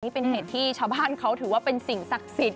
นี่เป็นเหตุที่ชาวบ้านเขาถือว่าเป็นสิ่งศักดิ์สิทธิ